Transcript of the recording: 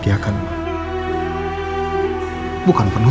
kehabisan lu gak tersyukur